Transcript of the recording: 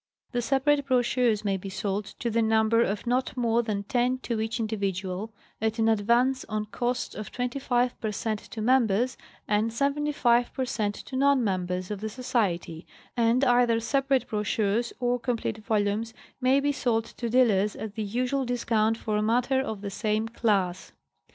The separate brochures may be sold, to the number of not more than ten to each individual, at an advance on cost of 25 per cent. to members and 75 per cent. to non members of the Society ; and either separate brochures or complete volumes may be sold to dealers at the usual discount for matter of the same class.